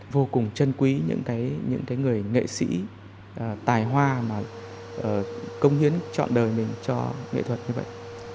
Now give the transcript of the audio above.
vô cùng trân quý những cái người nghệ sĩ tài hoa mà công hiến chọn đời mình cho nghệ thuật như vậy